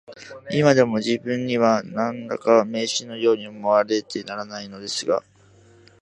いまでも自分には、何だか迷信のように思われてならないのですが